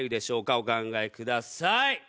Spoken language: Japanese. お考えください！